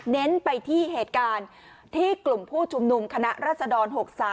เน้นไปที่เหตุการณ์ที่กลุ่มผู้ชุมนุมคณะรัศดร๖๓